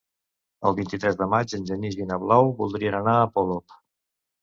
El vint-i-tres de maig en Genís i na Blau voldrien anar a Polop.